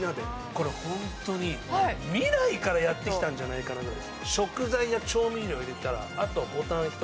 これ、本当に未来からやってきたんじゃないかなっていう。